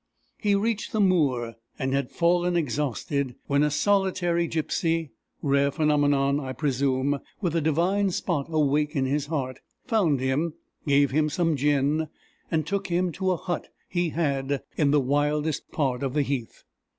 He reached the moor, and had fallen exhausted, when a solitary gypsy, rare phenomenon, I presume, with a divine spot awake in his heart, found him, gave him some gin, and took him to a hut he had in the wildest part of the heath.